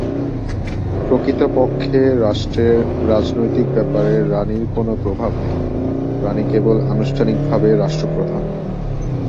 প্রকৃতপক্ষে রাষ্ট্রের রাজনৈতিক ব্যাপারে রাণীর কোন প্রভাব নেই, রাণী কেবল আনুষ্ঠানিকভাবে রাষ্ট্রপ্রধান।